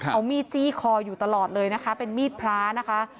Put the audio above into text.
เอามีดจี้คออยู่ตลอดเลยนะคะเป็นมีดพระนะคะ